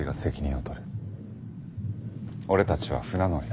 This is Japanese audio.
俺たちは船乗りだ。